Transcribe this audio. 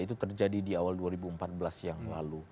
itu terjadi di awal dua ribu empat belas yang lalu